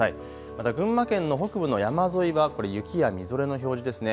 また群馬県の北部の山沿いは雪やみぞれの表示ですね。